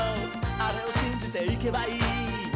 あれをしんじていけばいい」